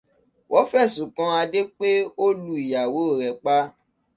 Wọ́n fẹ̀sùn kan Adé pé ó lu ìyàwó rẹ̀ pa.